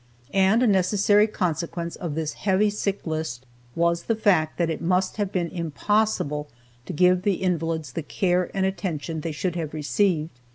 And a necessary consequence of this heavy sick list was the fact that it must have been impossible to give the invalids the care and attention they should have received.